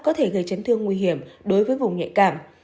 có thể gây chấn thương nguy hiểm đối với vùng nhạy cảm